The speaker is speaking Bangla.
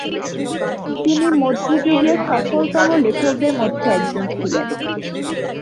তিনি মধ্যযুগীয় সফলতম লেখকদের মধ্যে একজন ছিলেন।